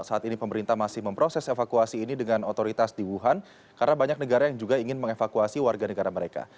saat ini pemerintah masih memproses evakuasi ini dengan otoritas di wuhan karena banyak negara yang juga ingin mengevakuasi warga negara mereka